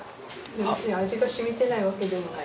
別に味がしみてないわけでもない。